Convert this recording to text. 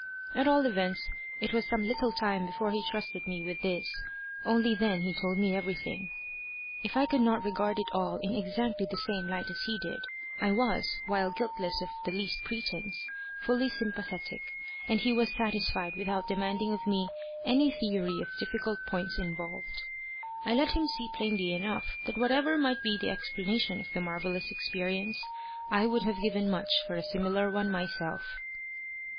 At all events it was some little time before he trusted me with this, only then he told me everything. If I could not regard it all in exactly the same light as he did, I was, while guiltless of the least pretence, fully sympathetic, and he was satisfied without demanding of me any theory of difficult points involved. I let him see plainly enough, that whatever might be the explanation of the marvellous experience, I would have given much for a similar one myself.